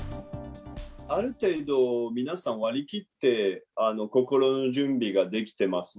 ある程度、皆さん割り切って心の準備ができてますね。